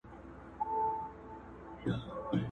پاچا پورته په کړکۍ په ژړا سو،